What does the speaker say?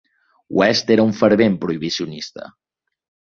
West era un fervent prohibicionista.